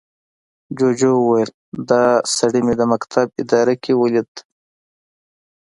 جوجو وويل، دا سړي مې د مکتب اداره کې ولید.